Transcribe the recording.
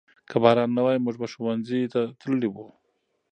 که باران نه وای موږ به ښوونځي ته تللي وو.